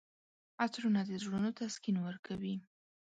عطرونه د زړونو تسکین ورکوي.